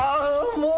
もう！